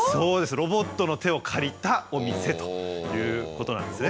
ロボットの手を借りたお店ということなんですね。